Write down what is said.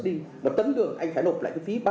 chắc chắn tôi nghĩ là hoàng pháp